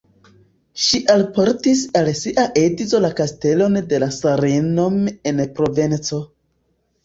Ŝi alportis al sia edzo la kastelon de Sarenom en Provenco.